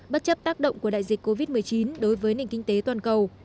bất chấp tác động của đại dịch covid một mươi chín đối với nền kinh tế toàn cầu